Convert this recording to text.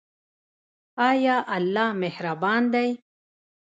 آیا الله مهربان دی؟